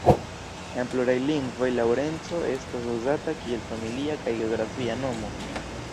En pluraj lingvoj Laŭrenco estas uzata kiel familia kaj geografia nomo.